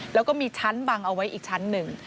แล้วก็มีชั้นบังเอาไว้อีกชั้นหนึ่ง